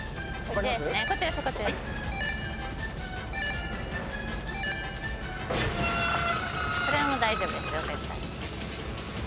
これはもう大丈夫ですよ絶対。